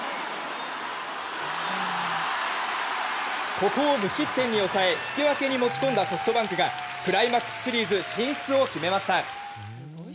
ここを無失点に抑え引き分けに持ち込んだソフトバンクがクライマックスシリーズ進出を決めました。